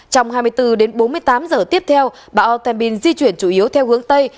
trong hai mươi bốn đến bốn mươi tám giờ tiếp theo bão atamin di chuyển chủ yếu theo hướng tây